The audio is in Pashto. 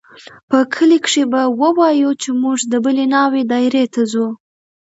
په کلي کښې به ووايو چې موږ د بلې ناوې دايرې ته ځو.